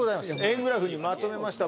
円グラフにまとめました